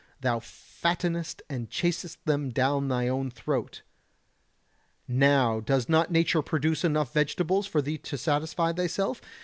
thou fattenest and chasest them down thy own throat. Now does not nature produce enough vegetables for thee to satisfy thyself?